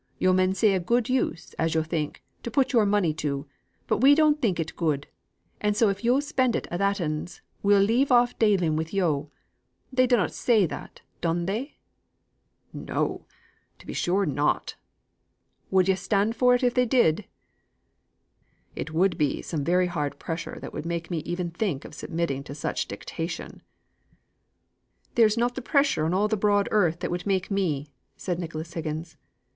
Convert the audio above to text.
Yo' may see a good use, as yo' think, to put yo'r money to; but we don't think it good, and so if yo' spend it a thatens we'll just leave off dealing with yo'.' They dunnot say that, dun they?" "No: to be sure not!" "Would yo' stand it if they did?" "It would be some very hard pressure that would make me even think of submitting to such dictation." "There's not the pressure on all the broad earth that would make me," said Nicholas Higgins.